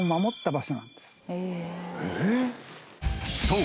［そう。